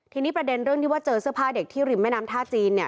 ทีนี้ประเด็นเรื่องที่ว่าเจอเสื้อผ้าเด็กที่ริมแม่น้ำท่าจีนเนี่ย